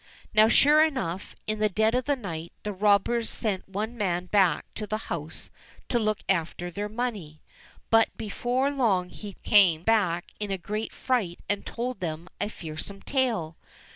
Now sure enough, in the dead of the night, the robbers sent one man back to the house to look after their money. But before long he came back in a great fright and told them a fearsome tale